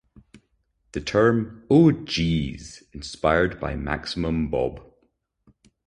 The term "Oh Jeez..." inspired by Maximum Bob.